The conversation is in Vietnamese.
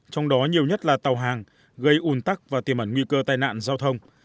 trong đó nhiều nhất là tàu hàng gây ủn tắc và tiềm ẩn nguy cơ tai nạn giao thông